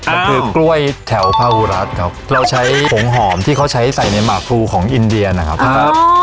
อ้าวมันคือกล้วยแถวภาวุรัสครับเราใช้ผงหอมที่เขาใช้ใส่ในมาฟูของอินเดียนะครับ